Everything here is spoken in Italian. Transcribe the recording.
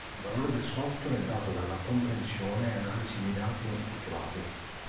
Il valore del software è dato dalla comprensione e analisi dei dati non strutturati.